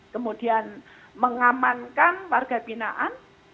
kemudian mengamankan warga pinaan